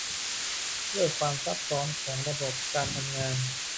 ด้วยความซับซ้อนของระบบการทำงาน